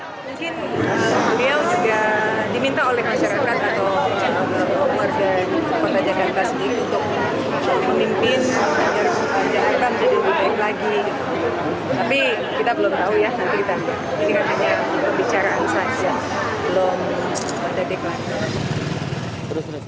tapi kita belum tahu ya nanti kita lihat ini kan hanya bicaraan saja belum ada deklarasi